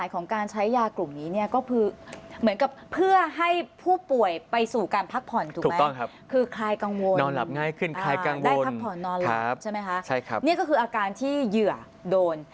นี่ก็คืออาการที่เหยื่อโดน